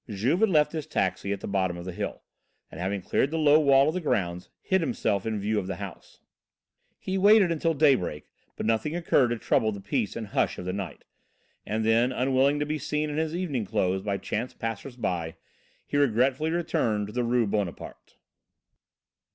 Juve had left his taxi at the bottom of the hill, and, having cleared the low wall of the grounds, hid himself in view of the house. He waited until daybreak, but nothing occurred to trouble the peace and hush of the night. And then, unwilling to be seen in his evening clothes by chance passers by, he regretfully returned to the Rue Bonaparte.